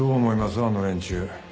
あの連中。